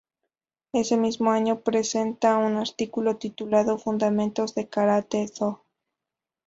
Ese mismo año presenta un artículo titulado ""Fundamentos del Karate-Do"".